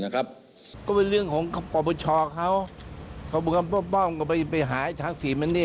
แบบที่เราจงสิประมาณอย่างมุม